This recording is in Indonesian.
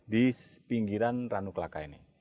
di pinggiran ranu kelaka ini